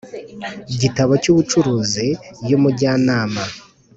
Gitabo cy ubucuruzi y umujyanama